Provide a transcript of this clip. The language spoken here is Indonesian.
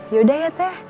yaudah ya teh